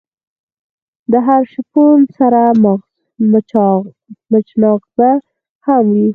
د هر شپون سره مچناغزه هم وی.